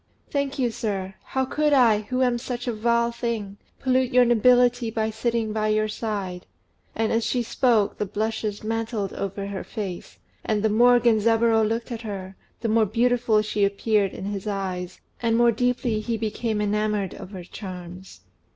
"Thank you, sir. How could I, who am such a vile thing, pollute your nobility by sitting by your side?" And, as she spoke, the blushes mantled over her face; and the more Genzaburô looked at her, the more beautiful she appeared in his eyes, and the more deeply he became enamoured of her charms.